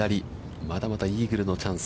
まだまだイーグルのチャンス。